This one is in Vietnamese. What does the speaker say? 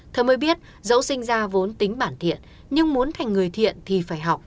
thơ mới biết dẫu sinh ra vốn tính bản thiện nhưng muốn thành người thiện thì phải học